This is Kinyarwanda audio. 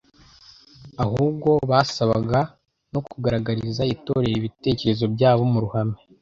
ahubwo basabaga no kugaragariza Itorero ibitekerezo byabo mu ruhame.